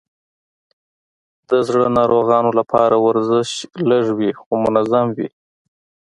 د زړه ناروغانو لپاره ورزش لږ وي، خو منظم وي.